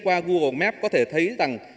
qua google maps có thể thấy rằng